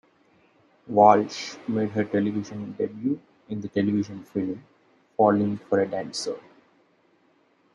Walsh made her television debut in the television film "Falling for a Dancer".